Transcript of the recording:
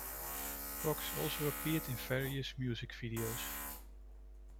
Cox also appeared in various music videos.